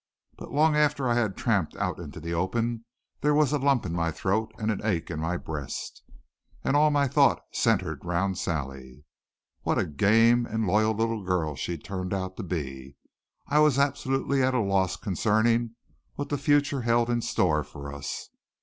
But long after I had tramped out into the open there was a lump in my throat and an ache in my breast. And all my thought centered round Sally. What a game and loyal little girl she had turned out to be! I was absolutely at a loss concerning what the future held in store for us.